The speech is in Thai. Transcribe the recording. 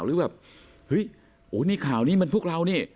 หรือแบบนี่ข่าวนี่มันพวกเรานี่